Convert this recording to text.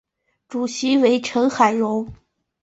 主席为成海荣。